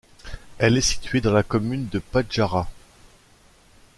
Elle est située dans la commune de Pájara.